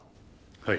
はい。